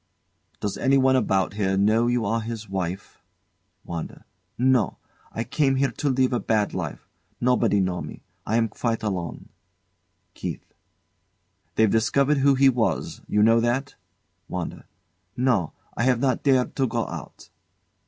Does anyone about here know you are his wife? WANDA. No. I came here to live a bad life. Nobody know me. I am quite alone. KEITH. They've discovered who he was you know that? WANDA. No; I have not dared to go out.